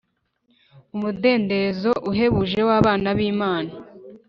umudendezo uhebuje w abana b Imana